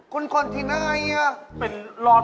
คุณพูดว่าของหลอด